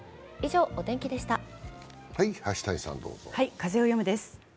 「風をよむ」です。